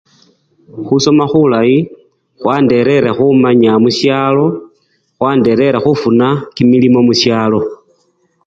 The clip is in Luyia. Khusoma khulayi khwanderere khumanya musyalo, khwanderere khufuna kimilimo musyalo.